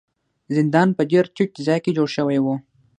زندان په ډیر ټیټ ځای کې جوړ شوی و.